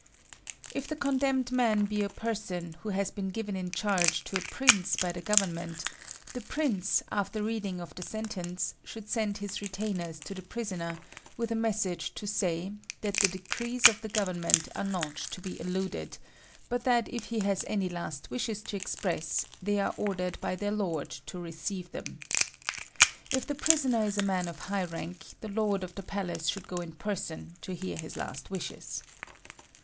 If the condemned man be a person who has been given in charge to a prince by the Government, the prince after the reading of the sentence should send his retainers to the prisoner with a message to say that the decrees of the Government are not to be eluded, but that if he has any last wishes to express, they are ordered by their lord to receive them. If the prisoner is a man of high rank, the lord of the palace should go in person to hear his last wishes.